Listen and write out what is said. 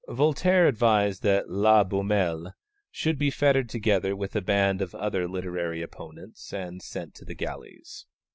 Voltaire advised that La Beaumelle should be fettered together with a band of other literary opponents and sent to the galleys.